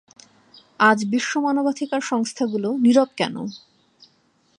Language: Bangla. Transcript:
আজ বিশ্ব মানবাধিকার সংস্থাগুলো নিরব কেন?